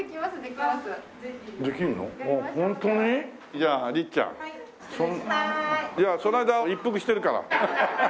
じゃあその間一服してるから。